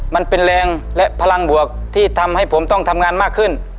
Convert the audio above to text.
มันเป็นแรงและพลังบวกที่ทำให้ผมต้องทำงานมากขึ้น